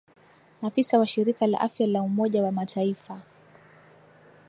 afisa wa shirika la afya la umoja wa mataifa